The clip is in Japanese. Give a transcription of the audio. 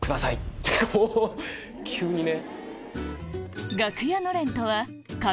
急にね。